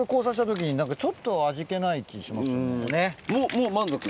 もう満足。